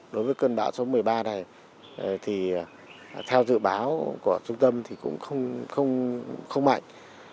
đối với cơn bão số một mươi ba này thì theo dự báo của trung tâm thì cũng không mạnh